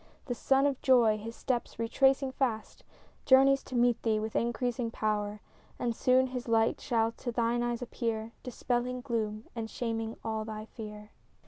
The sun of joy, his steps retracing fast, Journeys to meet thee with increasing power; And soon his light shall to thine eyes appear, Dispelling gloom and shaming all thy fear.